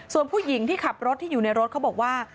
ส่วนผู้หญิงที่ขับรถที่อยู่ในรถเขาบอกว่า